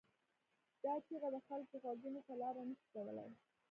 دا چیغه د خلکو غوږونو ته لاره نه شي کولای.